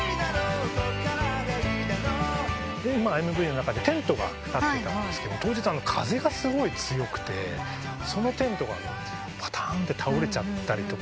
ＭＶの中でテントが立ってたんですけど当日風がすごい強くてそのテントがぱたんと倒れちゃったりとかして。